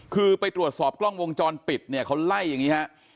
คือไปตรวจสอบกล้องวงจรปิดเนี่ยเขาไล่อย่างนี้ฮะ